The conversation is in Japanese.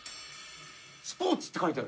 「スポーツ」って書いてある。